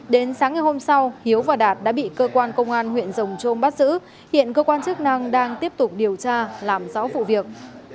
đến sáng ngày hôm sau hiếu và đạt đã bị cơ quan công an huyện rồng trôm bắt giữ hiện cơ quan chức năng đang tiếp tục điều tra làm rõ vụ việc